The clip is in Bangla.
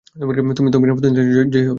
তুমি তো বিনা প্রতিদ্বন্দ্বীতায়ই জয়ী হবে।